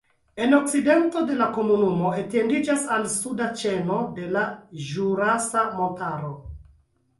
En okcidento la komunumo etendiĝas al la suda ĉeno de la Ĵurasa Montaro.